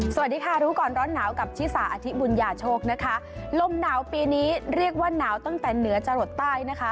สวัสดีค่ะรู้ก่อนร้อนหนาวกับชิสาอธิบุญญาโชคนะคะลมหนาวปีนี้เรียกว่าหนาวตั้งแต่เหนือจะหลดใต้นะคะ